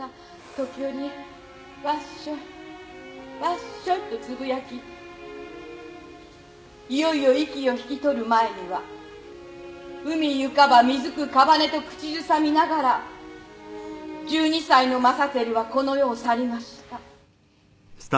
「時折“ワッショイワッショイ”とつぶやきいよいよ息を引き取る前には“海ゆかば水漬くかばね”と口ずさみながら１２歳のマサテルはこの世を去りました」